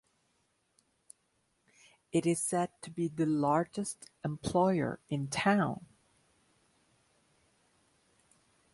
It is said to be the largest employer in town.